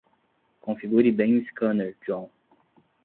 Configure bem o scanner, John.